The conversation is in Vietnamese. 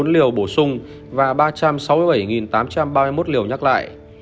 một trăm một mươi sáu bốn trăm bốn mươi bốn liều bổ sung và ba trăm sáu mươi bảy tám trăm ba mươi một liều nhắc lại